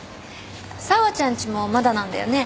紗和ちゃんちもまだなんだよね？